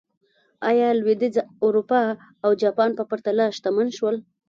ایا لوېدیځه اروپا او جاپان په پرتله شتمن شول.